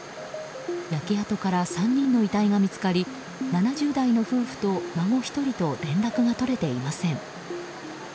焼け跡から３人の遺体が見つかり７０代の夫婦と孫１人と連絡が取れていません。